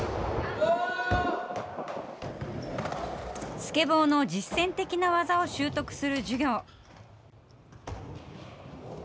スケボーの実践的な技を習得する授業。